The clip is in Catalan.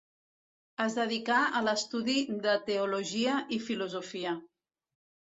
Es dedicà a l'estudi de teologia i filosofia.